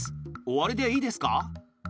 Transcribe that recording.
終わりでいいですか？